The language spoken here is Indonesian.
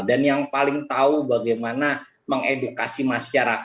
dan yang paling tahu bagaimana mengedukasi masyarakat dengan cara karifan lokal